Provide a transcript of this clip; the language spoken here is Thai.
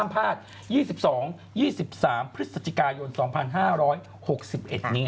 ห้ามพลาด๒๒๒๓พฤศจิกายน๒๕๖๑นี้ครับ